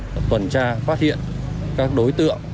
và tuần tra phát hiện các đối tượng